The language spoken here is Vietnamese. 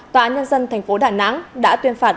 tòa án nhân dân tp đà nẵng đã tuyên phạt